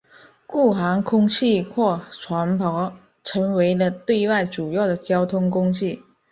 故航空器或船舶成为了对外主要的交通工具。